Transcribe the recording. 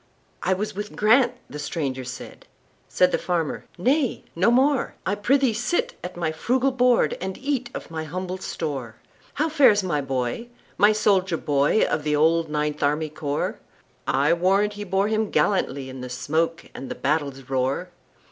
"I was with Grant"—the stranger said; Said the farmer, "Nay, no more,—I prithee sit at my frugal board, And eat of my humble store."How fares my boy,—my soldier boy, Of the old Ninth Army Corps?I warrant he bore him gallantlyIn the smoke and the battle's roar!"